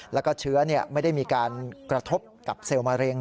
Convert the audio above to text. แล้วก็เชื้อไม่ได้มีการกระทบกับเซลล์มะเร็ง